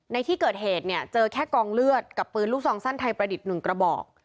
ในที่เกิดเหตุเนี่ยเจอแค่กองเลือดกับปืนลูกซองสั้นไทยประดิษฐ์๑กระบอก